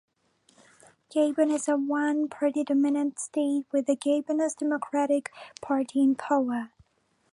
Gabon is a one party dominant state with the Gabonese Democratic Party in power.